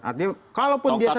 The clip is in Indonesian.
artinya kalaupun dia senior